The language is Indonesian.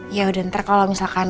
ya udah ntar kalau misalkan